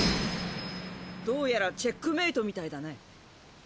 どうやらチェックメイトみたいだね。